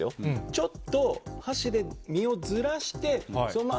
ちょっと箸で身をずらして、お前。